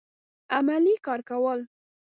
عملي کار کول